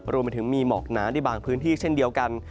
รวมไปถึงมีหมอกหนาในบางพื้นที่เช่นเดียวกัน